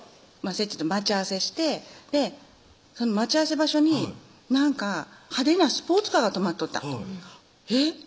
せっちゃんと待ち合わせして待ち合わせ場所に派手なスポーツカーが止まっとったえっ？